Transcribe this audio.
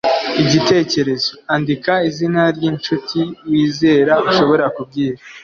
Igitekerezo andika izina ry incuti wizera ushobora kubwira